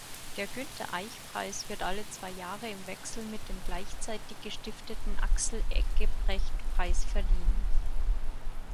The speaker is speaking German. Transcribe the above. Der Günter-Eich-Preis wird alle zwei Jahre im Wechsel mit dem gleichzeitig gestifteten Axel-Eggebrecht-Preis verliehen.